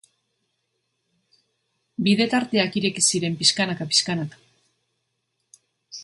Bide tarteak ireki ziren pixkanaka-pixkanaka.